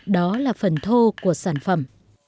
đó là phần thô của sản phẩm